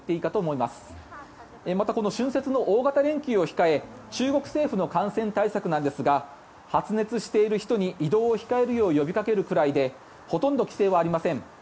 また、この春節の大型連休を控え中国政府の感染対策なんですが発熱している人に移動を控えるよう呼びかけるくらいでほとんど規制はありません。